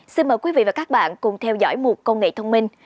xin mời quý vị và các bạn cùng theo dõi một công nghệ thông minh